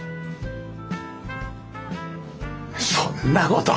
そんなこと。